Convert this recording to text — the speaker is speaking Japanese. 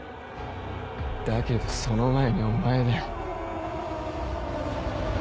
だけどその前にお前だ。